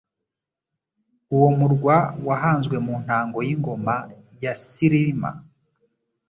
Uwo murwa wahanzwe mu ntango y'ingoma ya Cyilima